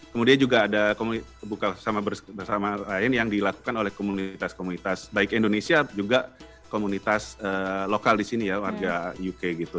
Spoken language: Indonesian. kemudian juga ada komunitas bersama lain yang dilakukan oleh komunitas komunitas baik indonesia juga komunitas lokal di sini ya warga uk gitu